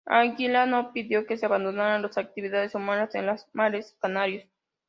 Aguilar no pidió que se abandonaran las actividades humanas en los mares canarios.